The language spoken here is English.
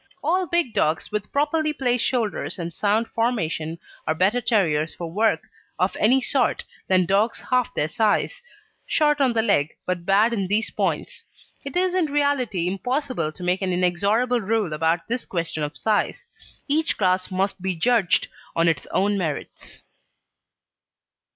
All big dogs with properly placed shoulders and sound formation are better terriers for work of any sort than dogs half their size, short on the leg, but bad in these points. It is in reality impossible to make an inexorable rule about this question of size; each class must be judged on its own merits.